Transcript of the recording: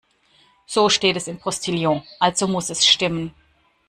So steht es im Postillon, also muss es stimmen.